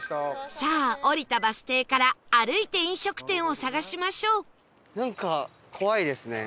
さあ降りたバス停から歩いて飲食店を探しましょうなんか怖いですね。